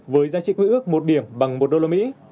với giá trị quý ước một điểm bằng một đô la mỹ